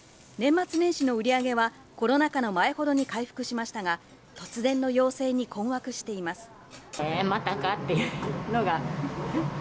年末年始の売上はコロナ禍の前ほどに回復しましたが、突然の要請に困惑しています。